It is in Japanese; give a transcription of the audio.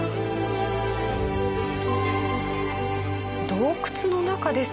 洞窟の中です。